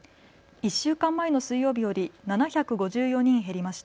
１週間前の水曜日より７５４人減りました。